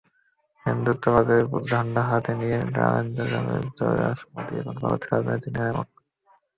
হিন্দুত্ববাদের ঝান্ডা হাতে নিয়ে নরেন্দ্র দামোদর দাস মোদি এখন ভারতের রাজনীতির নিয়ামক।